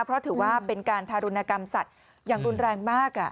เพราะถือว่าเป็นการทารุณกรรมสัตว์อย่างรุนแรงมาก